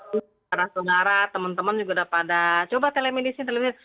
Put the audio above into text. para saudara temen temen juga udah pada coba telemedicine